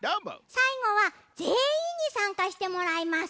さいごはぜんいんにさんかしてもらいます。